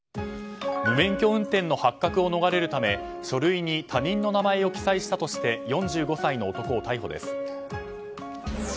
無免許運転の発覚を逃れるため書類に他人の名前を記載したとして４５歳の男を逮捕です。